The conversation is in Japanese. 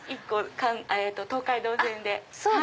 １個東海道線で。